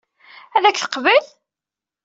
Ad k-teqbel?